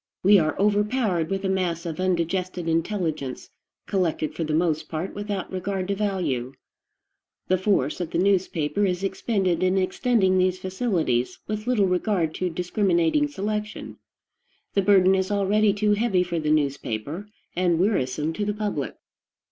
We are overpowered with a mass of undigested intelligence, collected for the mast part without regard to value. The force of the newspaper is expended in extending these facilities, with little regard to discriminating selection. The burden is already too heavy for the newspaper, and wearisome to the public.